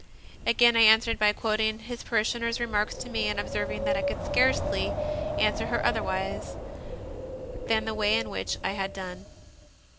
Again I answered by quoting his parishioner s remarks to me and observing that I could scarcely answer her otherwise than the way in which I had done.